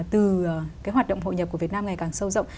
từ cái hoạt động hội nhập của việt nam ngày càng sâu rộng